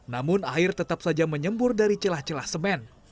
namun air tetap saja menyembur dari celah celah semen